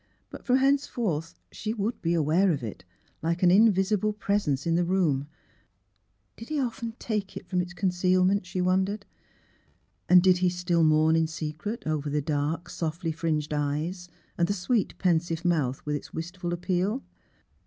But from henceforth she would be aware of it, like an invisible presence in the room. Did he often take it from its con cealment, she wondered? And did he still mourn in secret over the dark, softly fringed eyes, and the sweet, pensive mouth with its wistful appeal?